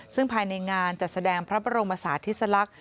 ซึ่งภายในงานจะแสดงพระบรมศาสตร์ทฤษลักษณ์